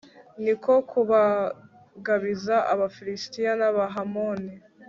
ni ko kubagabiza abafilisiti n'abahamoni